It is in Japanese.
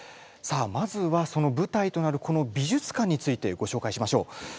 さあまずはその舞台となるこの美術館についてご紹介しましょう。